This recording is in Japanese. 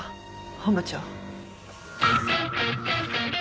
本部長。